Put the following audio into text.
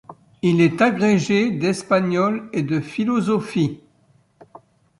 Il est agrégé d'espagnol et de philosophie.